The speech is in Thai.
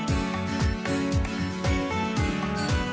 เมืองใหญ่ทั่วโลกไปดูกันครับ